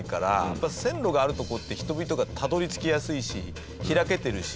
やっぱり線路があるとこって人々がたどり着きやすいし開けてるし。